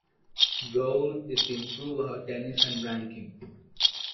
Goal is to improve her tennis and ranking.